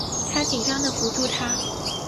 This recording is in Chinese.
她紧张的扶住她